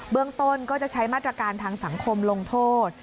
ต้นก็จะใช้มาตรการทางสังคมลงโทษ